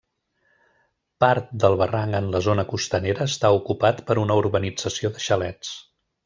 Part del barranc en la zona costanera està ocupat per una urbanització de xalets.